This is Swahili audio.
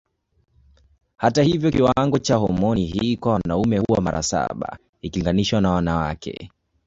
Hata hivyo kiwango cha homoni hii kwa wanaume huwa mara saba ikilinganishwa na wanawake.